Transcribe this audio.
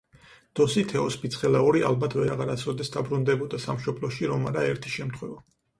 დოსითეოზ ფიცხელაური ალბათ ვეღარასოდეს დაბრუნდებოდა სამშობლოში, რომ არა ერთი შემთხვევა.